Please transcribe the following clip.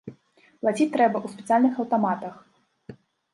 Плаціць трэба ў спецыяльных аўтаматах.